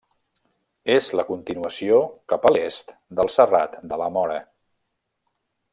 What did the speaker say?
És la continuació cap a l'est del Serrat de la Móra.